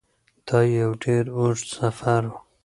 دا یو ډیر اوږد سفر و.